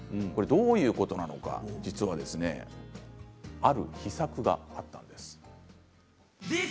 どういうことなのか実はある秘策があったんです。